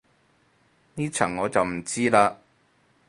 呢層我就唔知嘞